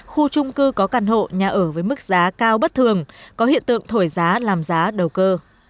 khu trung cư có căn hộ nhà ở với mức giá cao bất thường có hiện tượng thổi giá làm giá đầu cơ